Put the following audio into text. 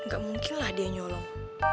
gak mungkin lah dia nyolong